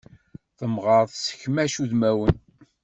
Temɣeṛ tessekmac udmawen.